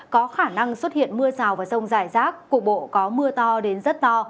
có khả năng xuất hiện mưa rào vào rông dài sát cuộc bộ có mưa to đến rất to